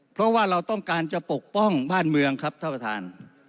เพราะว่าเราต้องการจะปกป้องบ้านเมืองครับท่านประธาน